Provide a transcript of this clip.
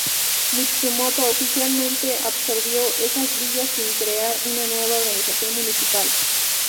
Matsumoto oficialmente absorbió esas villas sin crear una nueva organización municipal.